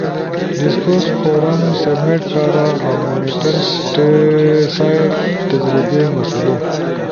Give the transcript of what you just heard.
ڈیسکورس فورم سبمیٹ کارا اؤ مونیٹر سئیڈ تجربئی مسلو۔